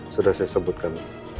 sudah saya sebutkan